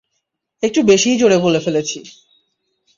একটু বেশিই জোরে বলে ফেলেছি?